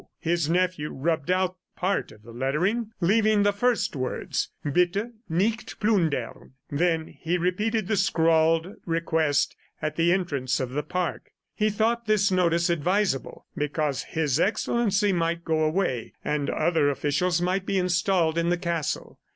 His nephew rubbed out part of the lettering, leaving the first words, "Bitte, nicht plundern." Then he repeated the scrawled request at the entrance of the park. He thought this notice advisable because His Excellency might go away and other officials might be installed in the castle.